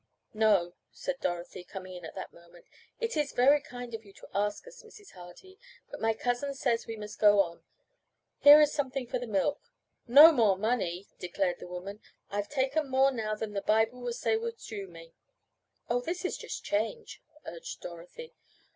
"No," said Dorothy, coming in at that moment, "it is very kind of you to ask us, Mrs. Hardy, but my cousin says we must go on. Here is something for the milk " "No more money!" declared the woman. "I've taken more now than the Bible would say was due me." "Oh, just this change," urged Dorothy.